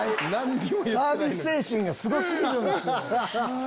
サービス精神がすご過ぎるんですよ。